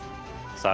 さあ